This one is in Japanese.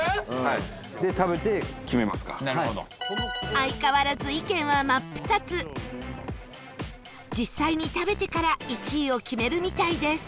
相変わらず意見は真っ二つ実際に食べてから１位を決めるみたいです